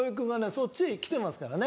そっちへきてますからね。